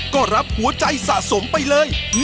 ก็รับหัวใจสะสมไปเลย